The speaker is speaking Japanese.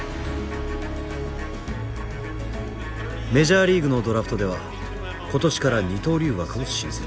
メジャーリーグのドラフトでは今年から二刀流枠を新設。